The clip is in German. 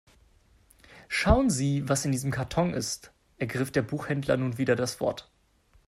Schauen Sie, was in diesem Karton ist, ergriff der Buchhändler nun wieder das Wort.